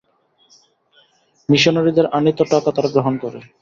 মিশনারীদের আনীত টাকা তারা গ্রহণ করে।